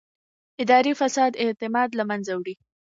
اداري فساد اعتماد له منځه وړي